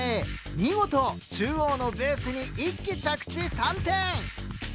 見事中央のベースに１機着地３点。